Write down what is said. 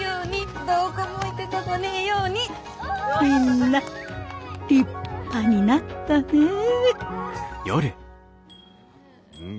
みんな立派になったねえ。